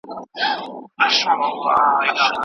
زه له عزراییل څخه سل ځله تښتېدلی یم